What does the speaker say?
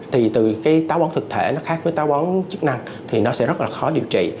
thì từ cái táo bón thực thể nó khác với táo bón chức năng thì nó sẽ rất là khó điều trị